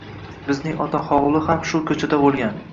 Bizning ota hovli ham shu ko’chada bo’lgan.